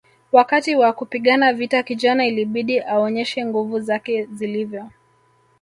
Wakati wa kupigana vita kijana ilibidi aonyeshe nguvu zake zilivyo